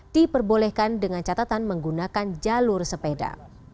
diperbolehkan dengan catatan menggunakan jalur sepeda